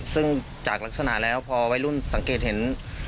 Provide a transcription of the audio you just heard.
ซึ่งจากลักษณะแล้วพอวัยรุ่นสังเกตเห็น